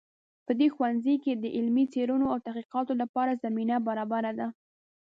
په دې ښوونځي کې د علمي څیړنو او تحقیقاتو لپاره زمینه برابره ده